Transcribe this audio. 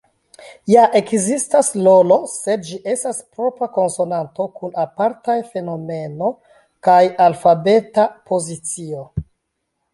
Ja ekzistas "ll", sed ĝi estas propra konsonanto kun apartaj fonemo kaj alfabeta pozicio.